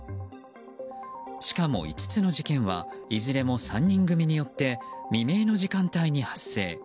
しかも、５つの事件はいずれも３人組によって未明の時間帯に発生。